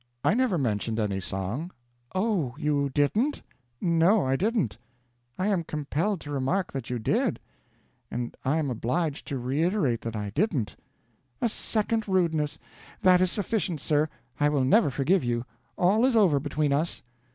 "I never mentioned any song." "Oh, you didn't?" "No, I didn't!" "I am compelled to remark that you did." "And I am obliged to reiterate that I didn't." "A second rudeness! That is sufficient, sir. I will never forgive you. All is over between us."